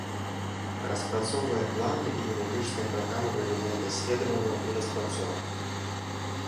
Распрацоўвае планы і метадычныя праграмы правядзення даследаванняў і распрацовак.